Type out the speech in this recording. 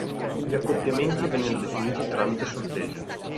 Gli accoppiamenti vennero definiti tramite sorteggio.